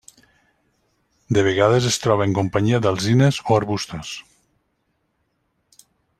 De vegades es troba en companyia d'alzines o arbustos.